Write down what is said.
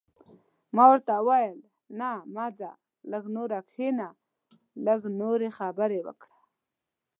ما ورته وویل: نه، مه ځه، لږ نور کښېنه، لږ نورې خبرې وکړه.